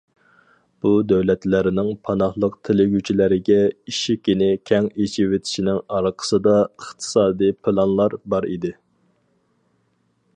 بۇ دۆلەتلەرنىڭ پاناھلىق تىلىگۈچىلەرگە ئىشىكىنى كەڭ ئېچىۋېتىشنىڭ ئارقىسىدا ئىقتىسادىي پىلانلار بار ئىدى.